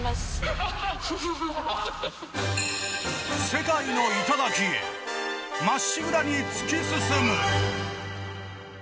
世界の頂へまっしぐらに突き進む。